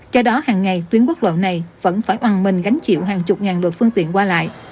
do đó hàng ngày tuyến quốc lộ này vẫn phải oàn mình gánh chịu hàng chục ngàn lượt phương tiện qua lại